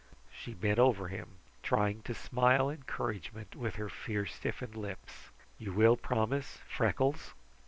She bent over him, trying to smile encouragement with her fear stiffened lips. "You will promise, Freckles?"